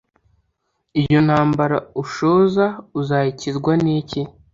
iyo ntambara ushoza uzayikizwa niki